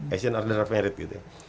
asian order of arite gitu ya